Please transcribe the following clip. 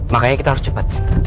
makanya kita harus cepat